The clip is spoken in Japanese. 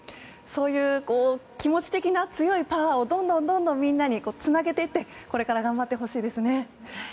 そういう気持ち的な強いパワーを、どんどんみんなにつなげていってこれから頑張っていってほしいですね。